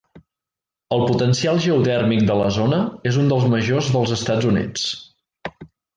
El potencial geotèrmic de la zona és un dels majors dels Estats Units.